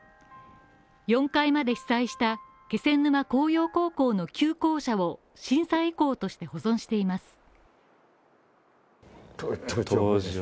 ４階まで被災した気仙沼向洋高校の旧校舎を震災遺構として、保存しています。